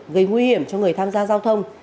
gây nguy hiểm cho người tham gia giao thông